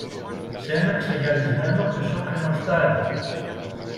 σ' ένα ξεγυαλισμένο χρυσό κρεμαστάρι